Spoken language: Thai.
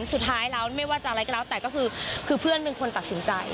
สุดท้ายแล้วไม่ว่าจะอะไรก็แล้วแต่ก็คือเพื่อนเป็นคนตัดสินใจ